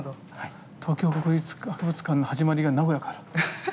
東京国立博物館の始まりが名古屋から。